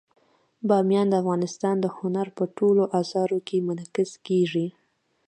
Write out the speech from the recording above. بامیان د افغانستان د هنر په ټولو اثارو کې منعکس کېږي.